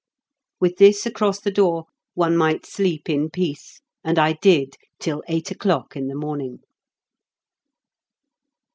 With this across the door one might sleep in peace, and I did till eight o'clock in the morning.